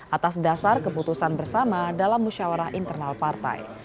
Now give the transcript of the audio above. atas dasar keputusan bersama dalam musyawarah internal partai